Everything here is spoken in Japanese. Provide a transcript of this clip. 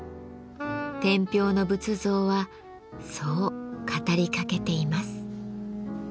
天平の仏像はそう語りかけています。